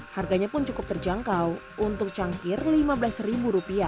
harganya pun cukup terjangkau untuk cangkir rp lima belas